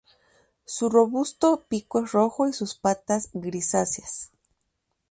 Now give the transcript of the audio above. Su robusto pico es rojo y sus patas grisáceas.